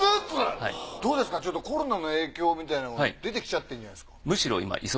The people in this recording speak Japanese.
どうですかちょっとコロナの影響みたいなの出てきちゃってるんじゃないですか？